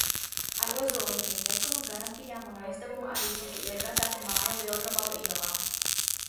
Ar Ozoliņa ieteikumu, garantijām un aizdevumu arī tika iegādāta māja Lielgabalu ielā.